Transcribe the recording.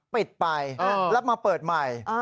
ปิดไปแล้วมาเปิดใหม่